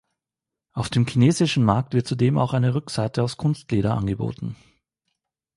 Auf dem chinesischen Markt wird zudem auch eine Rückseite aus Kunstleder angeboten.